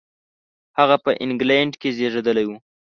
هغه په انګلېنډ کې زېږېدلی و.